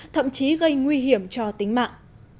thậm chí gây nguy hiểm cho tính mạng